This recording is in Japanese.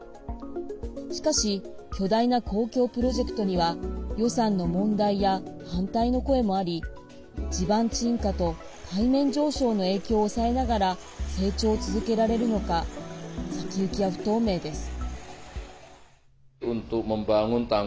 しかし巨大な公共プロジェクトには予算の問題や、反対の声もあり地盤沈下と海面上昇の影響を抑えながら成長を続けられるのか先行きは不透明です。